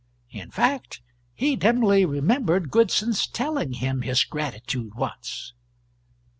In fact, he dimly remembered Goodson's telling him his gratitude once.